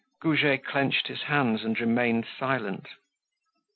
Goujet clenched his hands and remained silent.